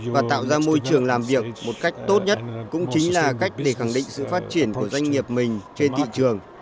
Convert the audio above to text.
và tạo ra môi trường làm việc một cách tốt nhất cũng chính là cách để khẳng định sự phát triển của doanh nghiệp mình trên thị trường